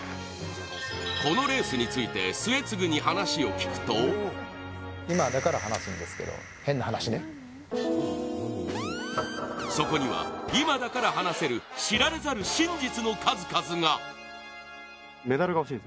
このレースについて末續に話を聞くとそこには今だから話せる知られざる真実の数々が。